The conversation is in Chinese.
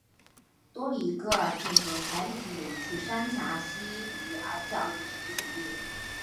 多尼戈尔郡和凯里郡的一处山岬西比尔角也是取景地。